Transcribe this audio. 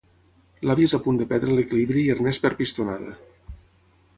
L'àvia és a punt de perdre l'equilibri i l'Ernest perd pistonada.